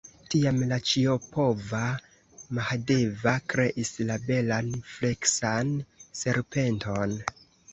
Tiam la ĉiopova Mahadeva kreis la belan, fleksan serpenton.